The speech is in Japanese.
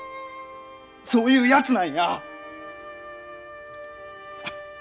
そういうやつなんや！